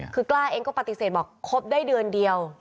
คือกล้าเองก็ปฏิเสธบอกคบได้เดือนเดียว